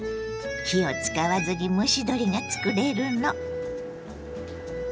火を使わずに蒸し鶏が作れるの。